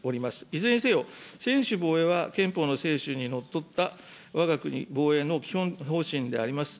いずれにせよ、専守防衛は憲法の精神にのっとったわが国の基本防衛精神であります。